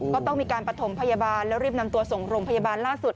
ก็ต้องมีการประถมพยาบาลแล้วรีบนำตัวส่งโรงพยาบาลล่าสุด